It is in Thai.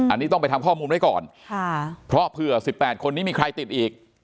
อันนี้ต้องไปทำข้อมูลไว้ก่อนค่ะเพราะเผื่อสิบแปดคนนี้มีใครติดอีก